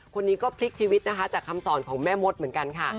คนนี้ก็พลิกชีวิตนะคะจากคำสอนของแม่มดเหมือนกันค่ะ